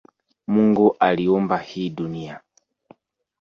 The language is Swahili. Mungu aliumba hii dunia